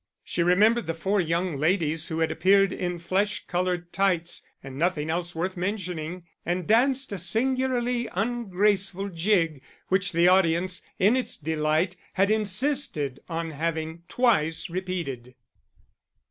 She remembered the four young ladies who had appeared in flesh coloured tights and nothing else worth mentioning, and danced a singularly ungraceful jig, which the audience, in its delight, had insisted on having twice repeated.